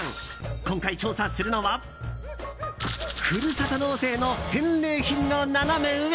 今回調査するのはふるさと納税の返礼品のナナメ上。